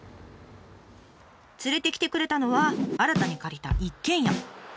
連れてきてくれたのは新たに借りた一軒家。